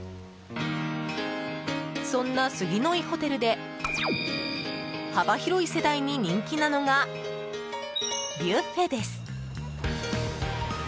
そんな杉乃井ホテルで幅広い世代に人気なのがビュッフェです。